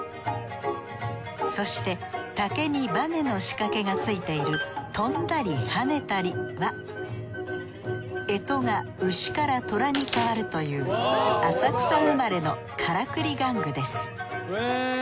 そして竹にバネの仕掛けがついているとんだりはねたりは干支が丑から寅に変わるという浅草生まれのからくり玩具です。